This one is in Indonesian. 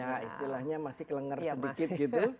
ya istilahnya masih kelenger sedikit gitu